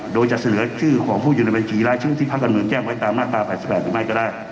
โดยจะเสนอชื่อของผู้หยุดะบินฝีร้ายชื่อที่พรรคกนุหน์แจ้งไว้ตามมาตรา๘๘ถือไม่ก็ได้